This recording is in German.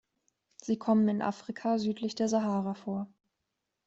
Sie kommen in Afrika südlich der Sahara vor.